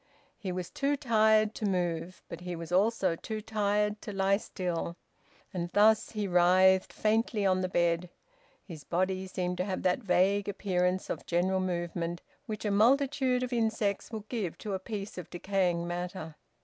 He was too tired to move, but he was also too tired to lie still. And thus he writhed faintly on the bed; his body seemed to have that vague appearance of general movement which a multitude of insects will give to a piece of decaying matter.